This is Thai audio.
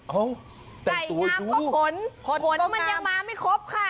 เอาน้ำประผมคล้อนก็มันยังมาไม่ครบ